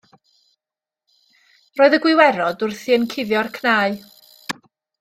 Roedd y gwiwerod wrthi yn cuddio'r cnau.